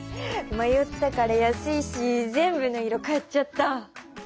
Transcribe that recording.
まよったから安いし全部の色買っちゃった。